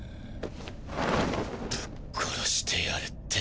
ぶっ殺してやるって。